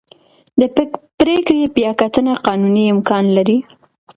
د پرېکړې بیاکتنه قانوني امکان لري.